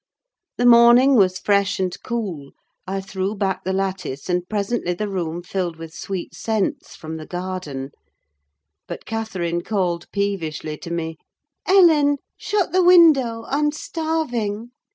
The morning was fresh and cool; I threw back the lattice, and presently the room filled with sweet scents from the garden; but Catherine called peevishly to me, "Ellen, shut the window. I'm starving!"